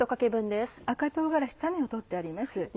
赤唐辛子種を取ってあります。